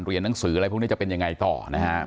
หนังสืออะไรพวกนี้จะเป็นยังไงต่อนะฮะ